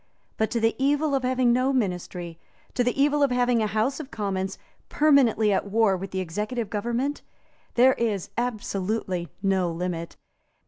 But to the evil of having no ministry, to the evil of having a House of Commons permanently at war with the executive government, there is absolutely no limit.